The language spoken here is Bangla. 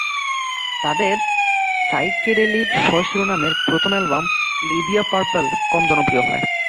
তাদের সাইকেডেলিক স্ব-শিরোনামের প্রথম অ্যালবাম "লিদিয়া পার্পল" কম জনপ্রিয় হয়।